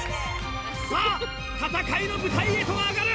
さぁ戦いの舞台へと上がる！